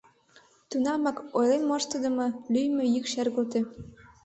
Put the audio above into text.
Тунамак ойлен моштыдымо лӱйымӧ йӱк шергылте.